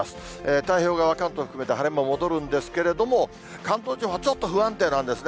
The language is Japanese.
太平洋側は、関東を含めて晴れも戻るんですけれども、関東地方はちょっと不安定なんですね。